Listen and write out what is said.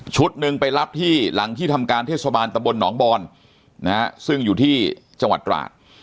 หนึ่งไปรับที่หลังที่ทำการเทศบาลตะบลหนองบอนนะฮะซึ่งอยู่ที่จังหวัดตราด